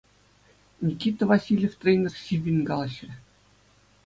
Никита Васильев тренер сиввӗн калаҫрӗ.